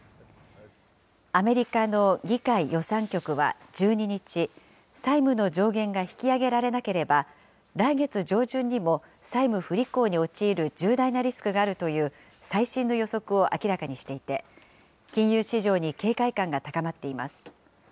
アメリカの議会予算局は１２日、債務の上限が引き上げられなければ、来月上旬にも債務不履行に陥る重大なリスクがあるという最新の予測を明らかにしていて、金融市場に警戒感が高まっています。